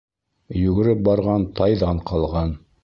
Йүгереп барған тайҙан ҡалған.